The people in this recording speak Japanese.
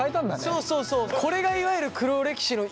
そうそうそう。